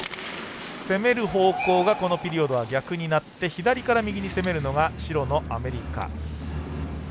攻める方向がこのピリオドは逆になって左から右に攻めるのが白のアメリカ。